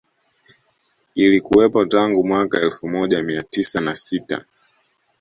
Ilikuwepo tangu mwaka elfu moja mia tisa na sita